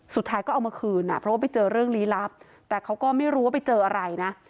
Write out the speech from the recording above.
สุดท้ายก็เอามาคืนอ่ะเพราะว่าไปเจอเรื่องลี้ลับแต่เขาก็ไม่รู้ว่าไปเจออะไรนะ